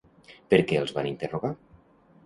Per què els van interrogar?